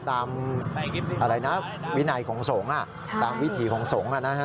ตามวินัยของสงฆ์ตามวิถีของสงฆ์นะฮะ